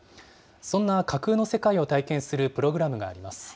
そんな架空の世界を体験するプログラムがあります。